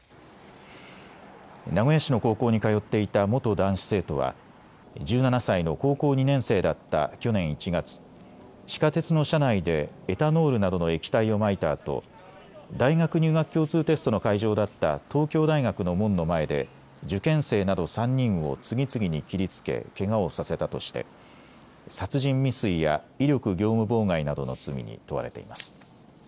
名古屋市の高校に通っていた元男子生徒は１７歳の高校２年生だった去年１月、地下鉄の車内でエタノールなどの液体をまいたあと大学入学共通テストの会場だった東京大学の門の前で受験生など３人を次々に切りつけけがをさせたとして殺人未遂や威力業務妨害などの罪に問われています。